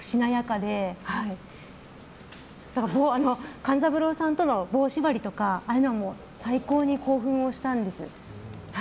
勘三郎さんとの棒縛りとかああいうのは最高に興奮したんです。